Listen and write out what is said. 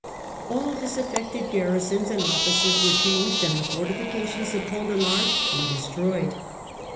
All disaffected garrisons and officers were changed, and the fortifications of Pont de PArche were destroyed.